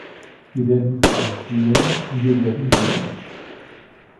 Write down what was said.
Wir werden die Frage klären und wir werden sehen.